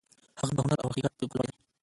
هغه د هنر او حقیقت پلوی دی.